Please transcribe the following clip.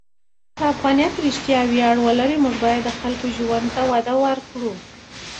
که افغانیت رښتیا ویاړ ولري، موږ باید د خلکو ژوند ته وده ورکړو.